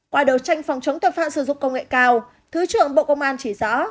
qua đấu tranh phòng chống tội phạm sử dụng công nghệ cao thứ trưởng bộ công an chỉ rõ